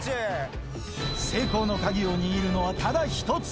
成功の鍵を握るのは、ただ一つ。